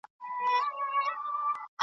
مرګه ستا په پسته غېږ کي له آرامه ګیله من یم .